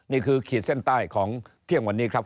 ขีดเส้นใต้ของเที่ยงวันนี้ครับ